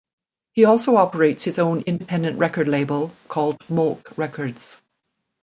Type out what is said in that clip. He also operates his own independent record label called Molk Records.